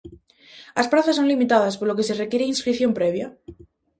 As prazas son limitadas polo que se require inscrición previa.